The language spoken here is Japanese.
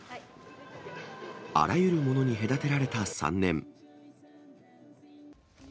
あらゆるものに隔てられた３年。